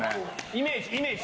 イメージイメージ！